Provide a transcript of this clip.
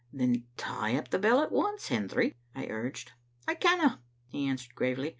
"Then tie up the bell at once, Hendry," I urged. " I canna," he answered gravely.